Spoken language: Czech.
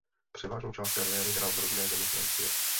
Převážnou část kariéry hrál v rodné zemi Francie.